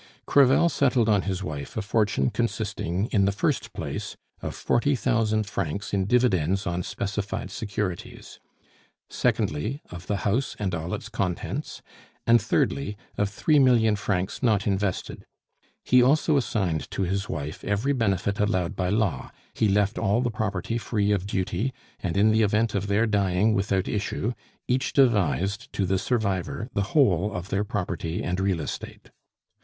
Crevel settled on his wife a fortune consisting, in the first place, of forty thousand francs in dividends on specified securities; secondly, of the house and all its contents; and thirdly, of three million francs not invested. He also assigned to his wife every benefit allowed by law; he left all the property free of duty; and in the event of their dying without issue, each devised to the survivor the whole of their property and real estate.